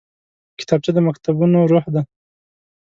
کتابچه د مکتبونو روح ده